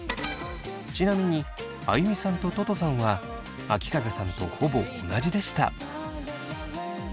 ちなみにあゆみさんとととさんはあきかぜさんとほぼ同じでした。